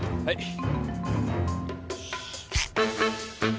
はい。